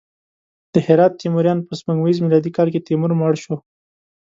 د هرات تیموریان: په سپوږمیز میلادي کال کې تیمور مړ شو.